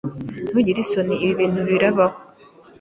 Ntugire isoni. Ibi bintu birabaho.